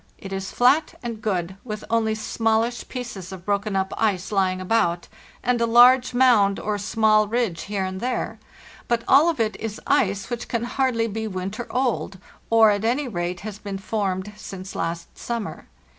It is flat and good, with only smallish pieces of broken up ice lying about, and a large mound or small ridge here and there, but all of it is ice which can hardly be winter old, or at any rate has been formed since last summer.